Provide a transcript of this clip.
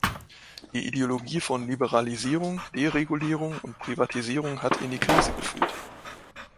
Die Ideologie von Liberalisierung, Deregulierung und Privatisierung hat in die Krise geführt.